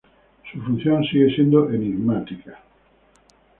Su función sigue siendo enigmática.